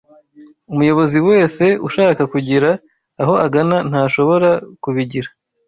Umuyobozi wese ushaka kugira aho agana ntashobora kubigira